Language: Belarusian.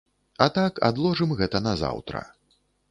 А так, адложым гэта на заўтра!